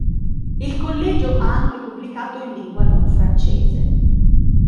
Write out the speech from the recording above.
Il collegio ha anche pubblicato in lingua non francese.